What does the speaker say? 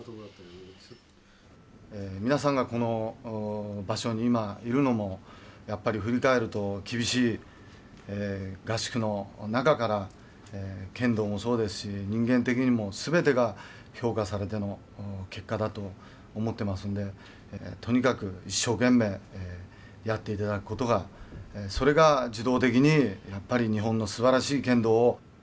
皆さんがこの場所に今いるのもやっぱり振り返ると厳しい合宿の中から剣道もそうですし人間的にも全てが評価されての結果だと思ってますんでとにかく一生懸命やっていただくことがそれが自動的に日本のすばらしい剣道を世界に出すと。